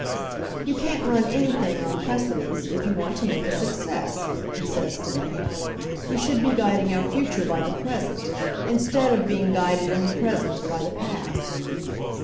"You can't run anything on precedents if you want to make a success," he says to day. "We should be guiding our future by the present, in stead of being guided in the present by the past."